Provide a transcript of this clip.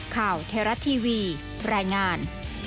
ข่าวเทราะทีวีรายงาน